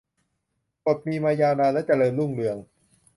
กฎมีมายาวนานและเจริญรุ่งเรือง